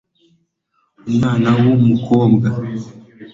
umwana w'umukobwa